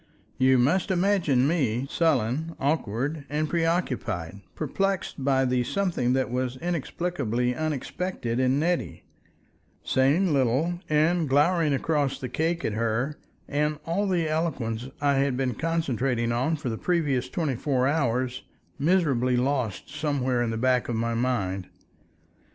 You must imagine me, sullen, awkward, and preoccupied, perplexed by the something that was inexplicably unexpected in Nettie, saying little, and glowering across the cake at her, and all the eloquence I had been concentrating for the previous twenty four hours, miserably lost somewhere in the back of my mind.